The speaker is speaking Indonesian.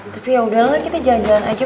tapi yaudahlah kita jalan jalan aja